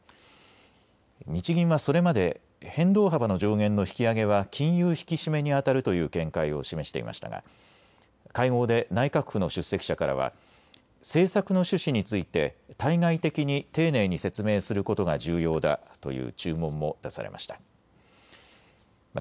日銀はそれまで変動幅の上限の引き上げは金融引き締めにあたるという見解を示していましたが、会合で内閣府の出席者からは政策の趣旨について対外的に丁寧に説明することが重要だという注文も出されました。